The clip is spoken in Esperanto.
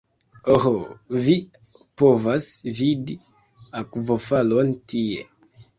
Oh vi povas vidi akvofalon tie